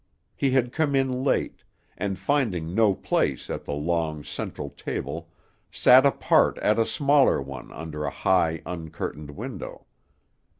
He had come in late, and finding no place at the long, central table sat apart at a smaller one under a high, uncurtained window.